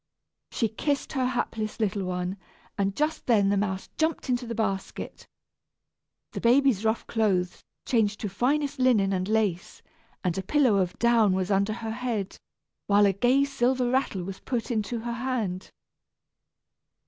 She kissed her hapless little one, and just then the mouse jumped into the basket. The baby's rough clothes changed to finest linen and lace, and a pillow of down was under her head, while a gay silver rattle was put into her hand.